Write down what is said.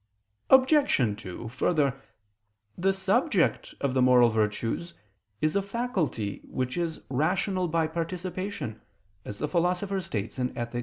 Obj. 2: Further, the subject of the moral virtues is a faculty which is rational by participation, as the Philosopher states (Ethic.